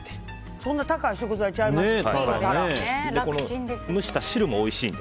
そんな高い食材ちゃいますよね。